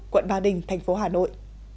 quận ba đình thành phố hà nội